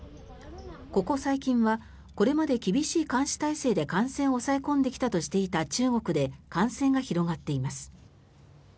ここ最近はこれまで厳しい監視体制で感染を抑え込んできたとしていた中国で感染が広がっています。